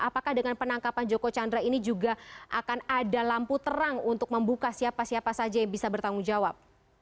apakah dengan penangkapan joko chandra ini juga akan ada lampu terang untuk membuka siapa siapa saja yang bisa bertanggung jawab